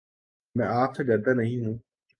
میں آپ سے ڈرتا نہیں ہوں